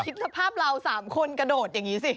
สภาพเรา๓คนกระโดดอย่างนี้สิ